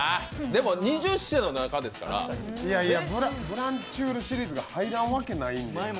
でも２０種の中ですからブランチュールシリーズが入らんわけないんです。